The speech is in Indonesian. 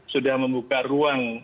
sudah membuka ruang